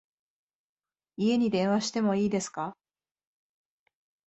家に電話しても良いですか？